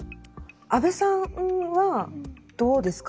安部さんはどうですか。